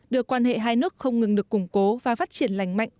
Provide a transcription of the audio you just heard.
đưa quan hệ hai nước không ngừng được củng cố và phát triển lành mạnh